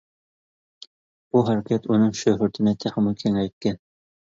بۇ ھەرىكەت ئۇنىڭ شۆھرىتىنى تېخىمۇ كېڭەيتكەن.